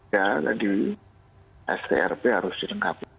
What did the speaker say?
ya di sdrp harus dilengkapi